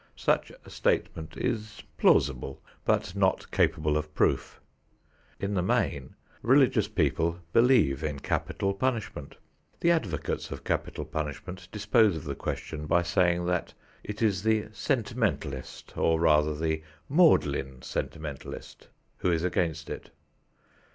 Such a statement is plausible but not capable of proof. In the main religious people believe in capital punishment. The advocates of capital punishment dispose of the question by saying that it is the "sentimentalist" or, rather, the "maudlin sentimentalist" who is against it.